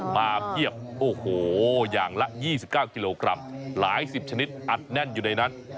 มาเยี่ยมโอ้โหอย่างละยี่สิบเก้ากิโลกรัมหลายสิบชนิดอัดแน่นอยู่ในนั้น